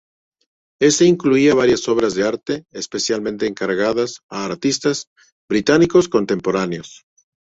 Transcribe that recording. Éste incluía varias obras de arte especialmente encargadas a artistas británicos contemporáneos.